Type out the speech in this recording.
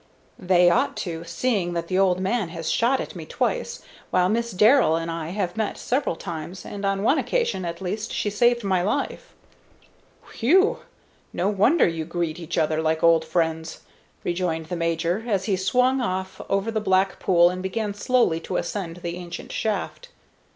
"They ought to, seeing that the old man has shot at me twice; while Miss Darrell and I have met several times, and on one occasion, at least, she saved my life." "Whew! No wonder you greet each other like old friends," rejoined the major, as he swung off over the black pool and began slowly to ascend the ancient shaft.